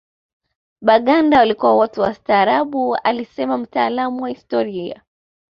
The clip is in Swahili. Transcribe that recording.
Baganda walikuwa watu wastaarabu alisema mtaalamu wa historia